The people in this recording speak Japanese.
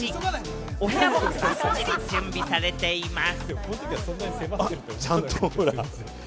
お部屋もばっちり準備されています。